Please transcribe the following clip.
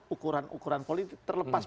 ukuran ukuran politik terlepas